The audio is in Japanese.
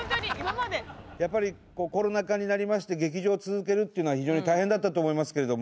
やっぱりこうコロナ禍になりまして劇場続けるっていうのは非常に大変だったと思いますけれども。